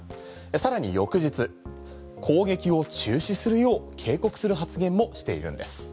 更に翌日、攻撃を中止するよう警告する発言もしているんです。